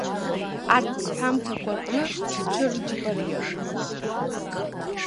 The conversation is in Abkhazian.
Арҭ сҳәамҭақәа рҟны сҽырџьбараны.